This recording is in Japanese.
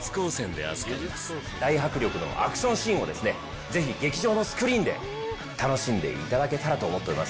大迫力のアクションシーンをぜひ劇場のスクリーンで楽しんでいただけたらと思っております。